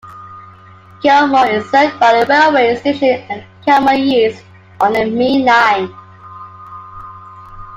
Kilmore is served by a railway station at Kilmore East, on the main line.